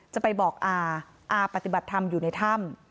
จะไปบอกอาอาปฏิบัติธรรมอยู่ในถ้ำ